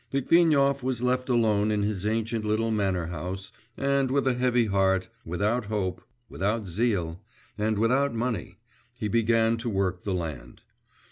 Litvinov was left alone in his ancient little manor house, and with a heavy heart, without hope, without zeal, and without money, he began to work the land.